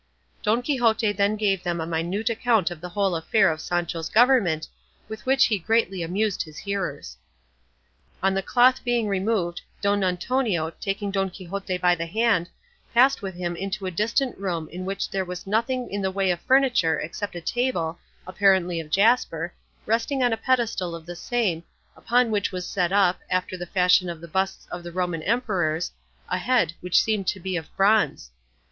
Don Quixote then gave them a minute account of the whole affair of Sancho's government, with which he greatly amused his hearers. On the cloth being removed Don Antonio, taking Don Quixote by the hand, passed with him into a distant room in which there was nothing in the way of furniture except a table, apparently of jasper, resting on a pedestal of the same, upon which was set up, after the fashion of the busts of the Roman emperors, a head which seemed to be of bronze.